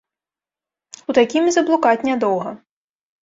У такім і заблукаць нядоўга!